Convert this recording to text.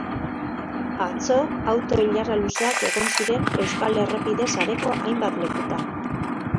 Atzo auto-ilara luzeak egon ziren euskal errepide sareko hainbat lekutan.